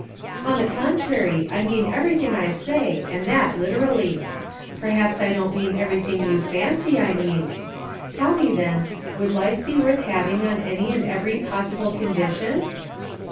"On the contrary, I mean everything I say and that literally. Perhaps I don't mean everything you fancy I mean. Tell me then, would life be worth having on any and every possible condition?"